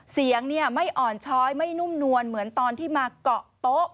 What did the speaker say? เสียงไม่อ่อนช้อยไม่นุ่มนวลเหมือนตอนที่มาเกาะโต๊ะ